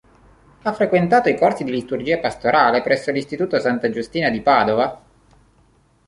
Ha frequentato i corsi di liturgia pastorale presso l'Istituto Santa Giustina di Padova.